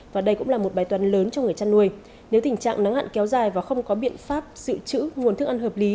và đây cũng là một bài toán lớn cho người chăn nuôi